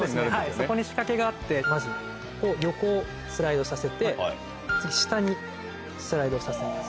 そこに仕掛けがあってまず横スライドさせて次下にスライドさせます。